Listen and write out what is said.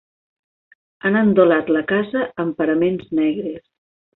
Han endolat la casa amb paraments negres.